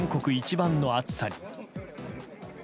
番の暑さに。